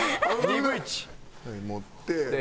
持って。